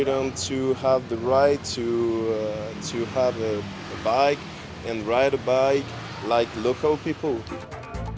dan saya pikir itu kebebasan saya untuk memiliki kemampuan untuk menerbang dan menerbang mobil seperti orang orang lokal